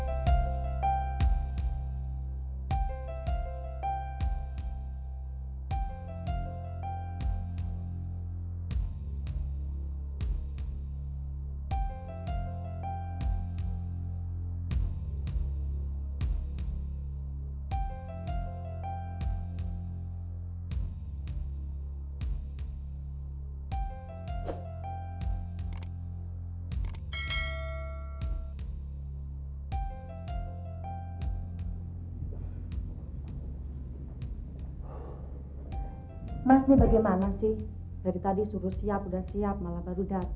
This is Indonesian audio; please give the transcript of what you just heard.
apakah dia masih hidup